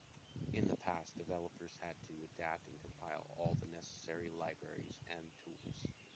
In the past, developers had to adapt and compile all the necessary libraries and tools.